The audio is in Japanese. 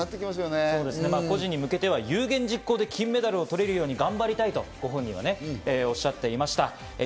個人に向けては有言実行で金メダルを取れるように頑張りたいとご本人はおっしゃっていました。